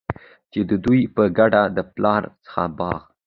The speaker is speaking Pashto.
چي د دوي په ګډه د پلار څخه باغ